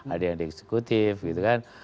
ada yang di eksekutif gitu kan